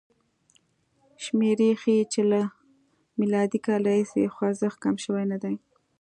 شمېرې ښيي چې له م کال راهیسې خوځښت کم شوی نه دی.